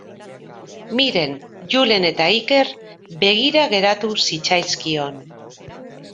Miren, Julen eta Iker begira geratu zitzaizkion.